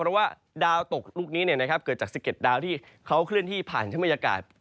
เพราะว่าดาวตกลูกนี้เกิดจาก๑๗ดาวที่เขาเคลื่อนที่ผ่านชะบรรยากาศ